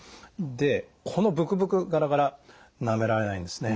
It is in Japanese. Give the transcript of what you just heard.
でこのブクブクガラガラなめられないんですね。